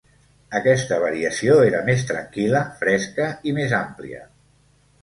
Aquesta variació era més tranquil·la, fresca i més àmplia.